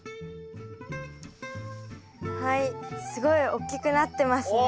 はいすごいおっきくなってますね。